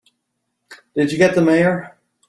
Did you get the Mayor?